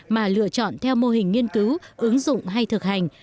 mà lựa chọn theo mô hình nghiên cứu ứng dụng hay thực hành